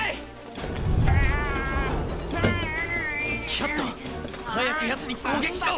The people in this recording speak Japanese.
キャット早く奴に攻撃しろ！